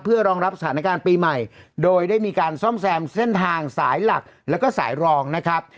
เพื่อรองรับสถานการณ์ปีใหม่โดยได้มีการซ่อมแซมเส้นทางสายหลักแล้วก็สายรองนะครับ